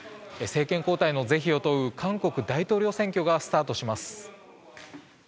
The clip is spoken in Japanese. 政権交代の是非を問う韓国大統領選挙がスタートします。